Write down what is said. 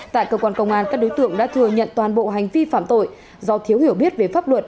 tại cơ quan công an các đối tượng đã thừa nhận toàn bộ hành vi phạm tội do thiếu hiểu biết về pháp luật